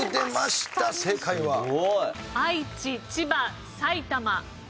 愛知千葉埼玉。